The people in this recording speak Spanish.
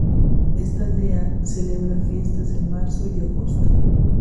Esta aldea, celebra fiestas en Marzo y Agosto.